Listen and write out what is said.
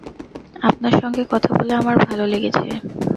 আপনার সঙ্গে কথা বলে আমার ভালো লেগেছে।